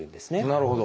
なるほど。